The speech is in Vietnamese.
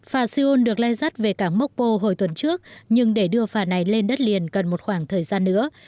phả seoul được lai rắt về cảng mokpo hồi tuần trước nhưng để đưa phả này lên đất liền cần một khoảng thời gian nữa